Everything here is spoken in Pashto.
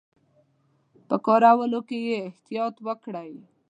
په کارولو کې یې احتیاط وکړي.